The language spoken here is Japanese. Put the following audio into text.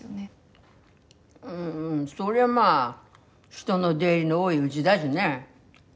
うんそりゃまあ人の出入りの多いうぢだしね。